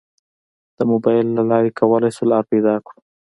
د موبایل له لارې کولی شو لار پیدا کړو.